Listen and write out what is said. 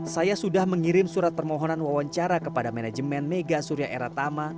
saya sudah mengirim surat permohonan wawancara kepada manajemen mega surya eratama